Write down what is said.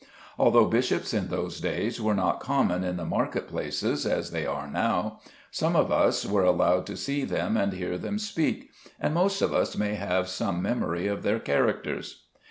Although bishops in those days were not common in the market places as they are now, some of us were allowed to see them and hear them speak, and most of us may have some memory of their characters.